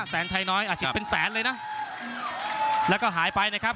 แสนชัยน้อยอาชีพเป็นแสนเลยนะแล้วก็หายไปนะครับ